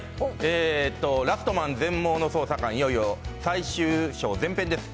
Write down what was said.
ラストマン・全盲の捜査官、いよいよ最終章前編です。